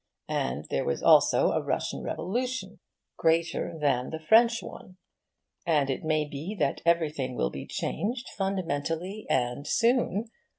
And there was also a Russian Revolution, greater than the French one. And it may be that everything will be changed, fundamentally and soon.